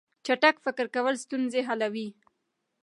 چټک فکر کول ستونزې حلوي.